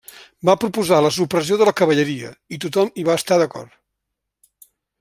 Va proposar la supressió de la cavalleria, i tothom hi va estar d'acord.